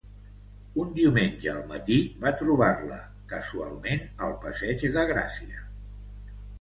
Un diumenge al matí va trobar-la casualment al passeig de Gràcia.